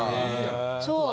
そう。